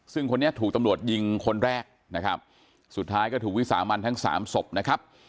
ซึ่งคนนี้ถูกตำรวจยิงคนแรกสุดท้ายก็ถูกวิสามารถทั้ง๓ศพนะครับ